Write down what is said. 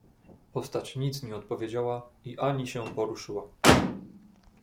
"Postać nic nie odpowiedziała i ani się poruszyła."